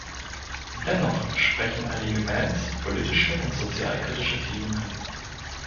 Dennoch sprechen einige Bands politische und sozialkritische Themen an.